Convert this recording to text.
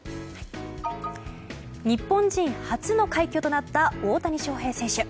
日本人初の快挙となった大谷翔平選手。